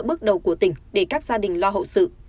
bước đầu của tỉnh để các gia đình lo hậu sự